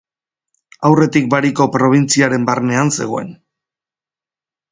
Aurretik Bariko probintziaren barnean zegoen.